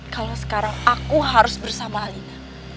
kalau sekarang aku harus bersama alina